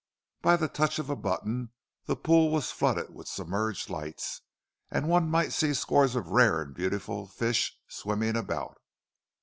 By the touch of a button the pool was flooded with submerged lights, and one might see scores of rare and beautiful fish swimming about.